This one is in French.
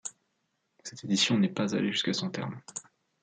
Cette édition n'est pas allée jusqu'à son terme.